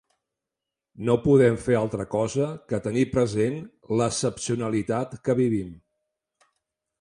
No podem fer cap altra cosa que tenir present l’excepcionalitat que vivim.